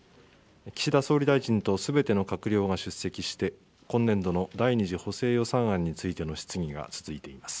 岸田総理大臣とすべての閣僚が出席して、今年度の第２次補正予算案についての質疑が続いています。